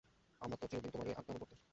আমরা তো চিরদিন তোমারই আজ্ঞানুবর্তী।